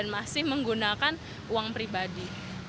masih menggunakan uang pribadi